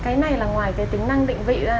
cái này là ngoài cái tính năng định vị ra